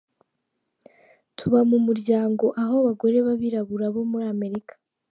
Tuba mu muryango aho abagore babirabura bo muri Amerika.